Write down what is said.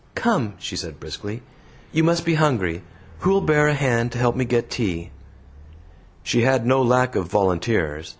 "Come," she said briskly, "you must be hungry. Who'll bear a hand to help me get tea?" She had no lack of volunteers.